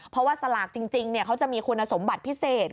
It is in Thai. เพราะว่าสลากจริงเขาจะมีคุณสมบัติพิเศษ